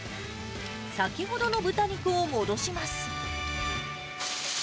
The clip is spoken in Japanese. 先ほどの豚肉を戻します。